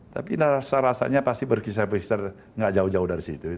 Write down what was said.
tapi rasa rasanya pasti berkisar kisah nggak jauh jauh dari situ